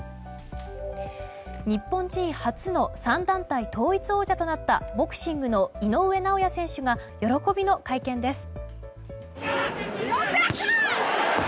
日本人初の３団体統一王者となったボクシングの井上尚弥選手が喜びの会見です。